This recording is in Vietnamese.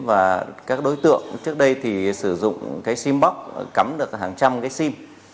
và các đối tượng trước đây thì sử dụng cái sim box cắm được hàng trăm cái sim